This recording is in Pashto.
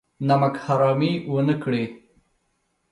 نمک حرامي ونه کړي.